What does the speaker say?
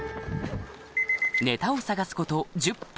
ネタを探すこと１０分